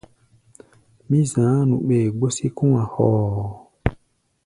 Mí za̧á̧ nu ɓɛɛ gbó sí kɔ̧́-a̧ hoo.